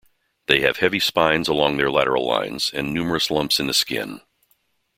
They have heavy spines along their lateral lines, and numerous lumps in the skin.